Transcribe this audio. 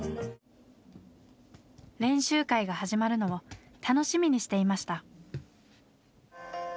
練習会が始まるのを楽しみにしていました。